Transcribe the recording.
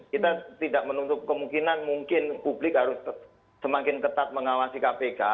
kita tidak menutup kemungkinan mungkin publik harus semakin ketat mengawasi kpk